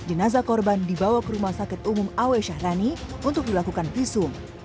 jenazah korban dibawa ke rumah sakit umum awe syahrani untuk dilakukan visum